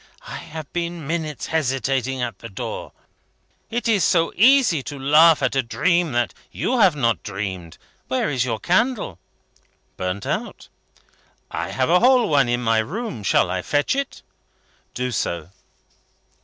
I have been minutes hesitating at the door. It is so easy to laugh at a dream that you have not dreamed. Where is your candle?" "Burnt out." "I have a whole one in my room. Shall I fetch it?" "Do so."